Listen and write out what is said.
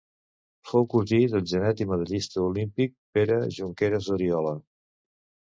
Fou cosí del genet i medallista olímpic Pere Jonqueres d'Oriola.